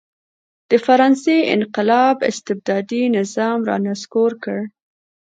د فرانسې انقلاب استبدادي نظام را نسکور کړ.